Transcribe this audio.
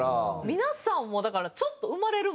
皆さんもだからちょっと生まれる